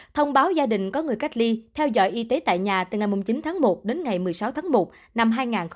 thông báo gia đình có người cách ly theo dõi y tế tại nhà từ ngày chín tháng một đến ngày một mươi sáu tháng một năm hai nghìn hai mươi